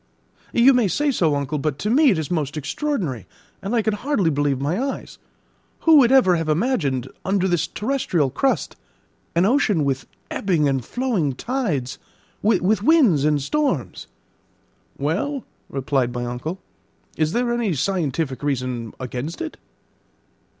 "You may say so, uncle; but to me it is most extraordinary, and I can hardly believe my eyes. Who would ever have imagined, under this terrestrial crust, an ocean with ebbing and flowing tides, with winds and storms?" "Well," replied my uncle, "is there any scientific reason against it?"